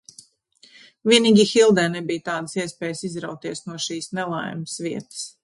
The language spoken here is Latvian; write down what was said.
Vienīgi Hildai nebija tāda iespēja izrauties no šīs nelaimes vietas.